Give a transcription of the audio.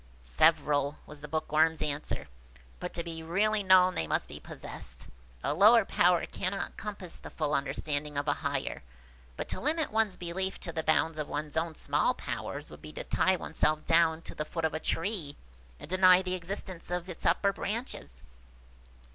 "Several," was the Bookworm's answer; "but to be really known they must be possessed. A lower power cannot compass the full understanding of a higher. But to limit one's belief to the bounds of one's own small powers, would be to tie oneself down to the foot of a tree, and deny the existence of its upper branches."